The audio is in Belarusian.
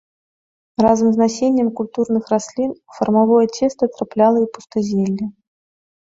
Разам з насеннем культурных раслін у фармавое цеста трапляла і пустазелле.